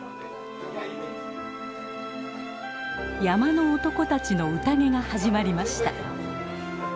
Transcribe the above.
山の男たちのうたげが始まりました。